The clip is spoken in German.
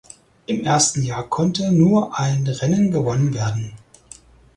Im ersten Jahr konnte nur ein Rennen gewonnen werden.